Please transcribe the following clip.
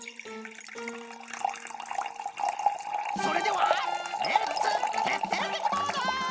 それではレッツてっていてきボード！